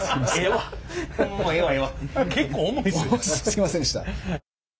すいませんでした。